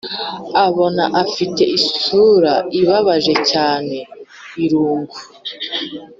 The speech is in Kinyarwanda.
abona afite isura ibabaje cyangwa irungu